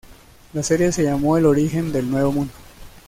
La serie se llamó "El origen del Nuevo Mundo".